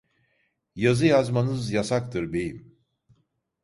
Yazı yazmanız yasaktır beyim!